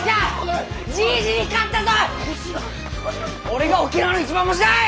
俺が沖縄の一番星だい！